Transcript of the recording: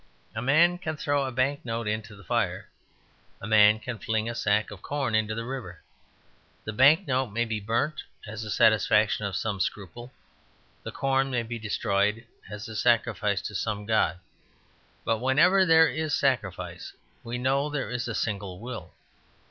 A man can throw a bank note into the fire. A man can fling a sack of corn into the river. The bank note may be burnt as a satisfaction of some scruple; the corn may be destroyed as a sacrifice to some god. But whenever there is sacrifice we know there is a single will.